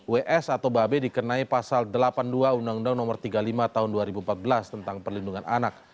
ws atau babe dikenai pasal delapan puluh dua undang undang no tiga puluh lima tahun dua ribu empat belas tentang perlindungan anak